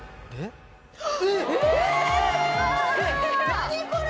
何これ！